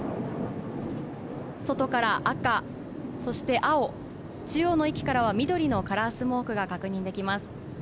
外から赤、そして青、中央の１機からは緑のカラースモークが確認できます。